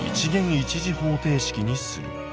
一次方程式にする」。